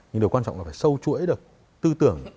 nhưng điều quan trọng là phải sâu chuỗi được tư tưởng